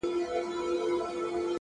د هدف وضاحت ژوند منظموي’